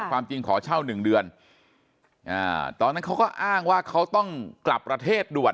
ความจริงขอเช่า๑เดือนตอนนั้นเขาก็อ้างว่าเขาต้องกลับประเทศด่วน